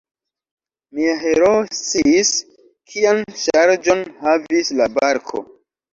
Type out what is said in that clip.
Mia heroo sciis, kian ŝarĝon havis la barko.